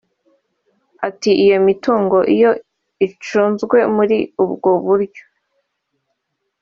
Ati “Iyo mitungo iyo icunzwe muri ubwo buryo